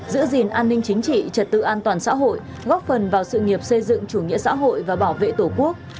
giữ gìn an ninh chính trị trật tự an toàn xã hội góp phần vào sự nghiệp xây dựng chủ nghĩa xã hội và bảo vệ tổ quốc